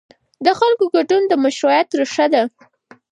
د خلکو ګډون د مشروعیت ریښه ده